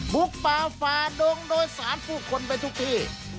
ป่าฝ่าดงโดยสารผู้คนไปทุกที่